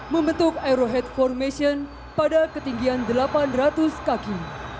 membentuk aerohead formation pada ketinggian delapan ratus kaki